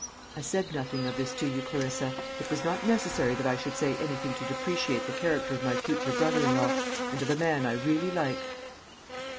I said nothing of this to you, Clarissa; it was not necessary that I should say anything to depreciate the character of my future brother in law, and of a man I really liked."